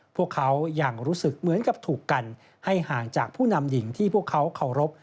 พวกเขายังรู้สึกเหมือนกับถูกกันให้ห่างจากผู้นำหญิงที่พวกเขาเคารพ